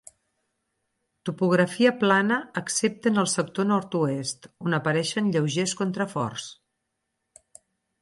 Topografia plana excepte en el sector nord-oest, on apareixen lleugers contraforts.